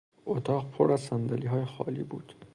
اتاق پر از صندلیهای خالی بود.